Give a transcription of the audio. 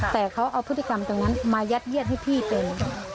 แต่เขาเอาพฤติกรรมตรงนั้นมายัดเยียดให้พี่เป็น